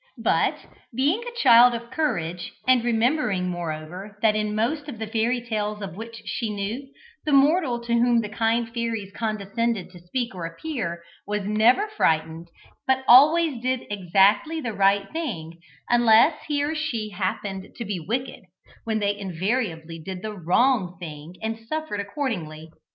But, being a child of courage, and remembering, moreover, that in most of the fairy tales of which she knew, the mortal to whom the kind fairies condescended to speak or appear, was never frightened, but always did exactly the right thing, unless he or she happened to be wicked, when they invariably did the wrong thing and suffered accordingly.